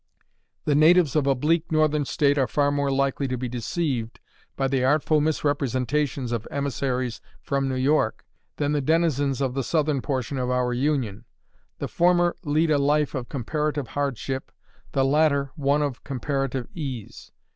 The natives of a bleak northern state are far more likely to be deceived by the artful misrepresentations of emissaries from New York than the denizens of the southern portion of our Union. The former lead a life of comparative hardship, the latter one of comparative ease.